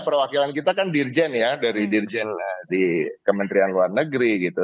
perwakilan kita kan dirjen ya dari dirjen di kementerian luar negeri gitu